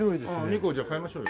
２個じゃあ買いましょうよ。